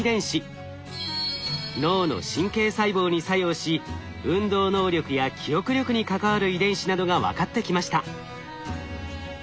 脳の神経細胞に作用し運動能力や記憶力に関わる遺伝子などが分かってきました。